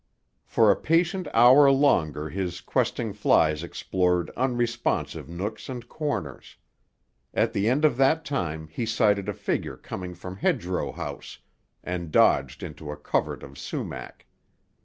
For a patient hour longer his questing flies explored unresponsive nooks and corners. At the end of that time he sighted a figure coming from Hedgerow House, and dodged into a covert of sumac.